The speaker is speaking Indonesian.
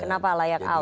kenapa layak out